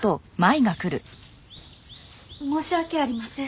申し訳ありません。